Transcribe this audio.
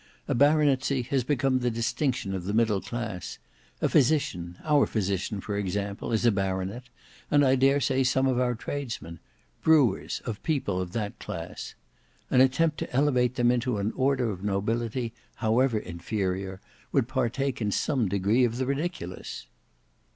"A baronetcy has become the distinction of the middle class; a physician, our physician for example, is a baronet; and I dare say some of our tradesmen; brewers, of people of that class. An attempt to elevate them into an order of nobility, however inferior, would partake in some degree of the ridiculous."